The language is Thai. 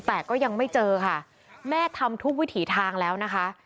แต่ก็ยังไม่เจอค่ะแม่ทำทุกวิถีทางแล้วนะคะ